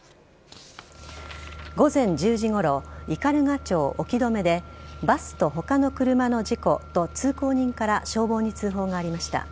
午前１０時ごろ、斑鳩町興留でバスと他の車の事故と通行人から消防に通報がありました。